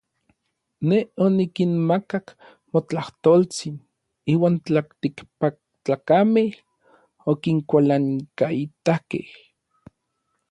Nej onikinmakak motlajtoltsin, iuan tlaltikpaktlakamej okinkualankaitakej.